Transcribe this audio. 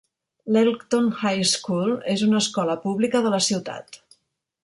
L'Elkton High School és una escola pública de la ciutat.